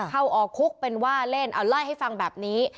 เข้าออกคุกเป็นว่าเล่นเอาเล่าให้ฟังแบบนี้